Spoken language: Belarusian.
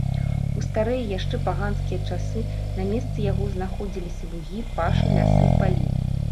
У старыя, яшчэ паганскія часы на месцы яго знаходзіліся лугі, пашы, лясы, палі.